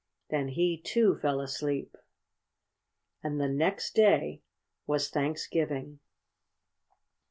Then he too fell asleep. And the next day was Thanksgiving.